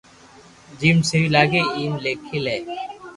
جيم سھي لاگي ايم ليکي لي